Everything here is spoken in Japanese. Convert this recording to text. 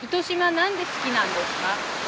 何で好きなんですか？